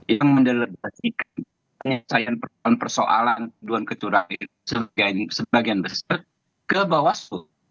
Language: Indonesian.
yang mendelepaskan persoalan kecurangan sebagian besar ke bawah suhu